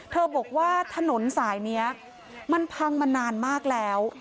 บอกว่าถนนสายนี้มันพังมานานมากแล้ว